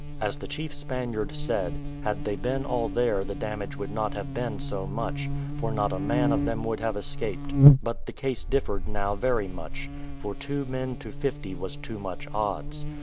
As the chief Spaniard said, had they been all there the damage would not have been so much, for not a man of them would have escaped; but the case differed now very much, for two men to fifty was too much odds.